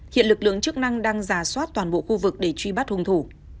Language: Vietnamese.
hiện lực lượng chức năng đang giả soát toàn bộ khu vực để truy bắt hung thủ